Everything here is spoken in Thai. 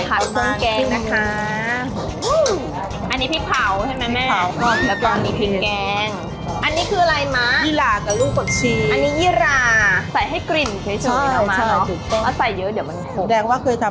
อ่าเตรียมผัดของแกงนะคะ